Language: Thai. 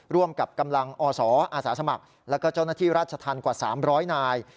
ร่วมกับกำลังอศอาสาสมัครแล้วก็เจ้าหน้าที่ราชธรรมกว่า๓๐๐นาย